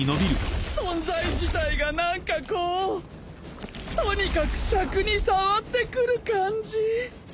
存在自体が何かこうとにかくしゃくに障ってくる感じ。